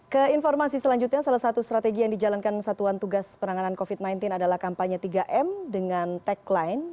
ke informasi selanjutnya salah satu strategi yang dijalankan satuan tugas penanganan covid sembilan belas adalah kampanye tiga m dengan tagline